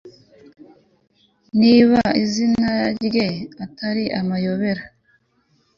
Niba izina rye atari amayobera